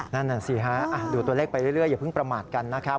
นั่นน่ะสิฮะดูตัวเลขไปเรื่อยอย่าเพิ่งประมาทกันนะครับ